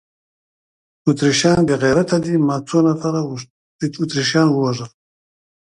اتریشیان بې غیرته دي، ما څو نفره اتریشیان ووژل؟